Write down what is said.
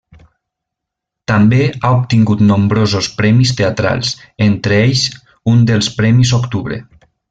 També ha obtingut nombrosos premis teatrals, entre ells un dels Premis Octubre.